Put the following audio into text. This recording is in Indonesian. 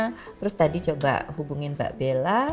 tante udah coba hubungin mbak bella